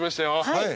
はい。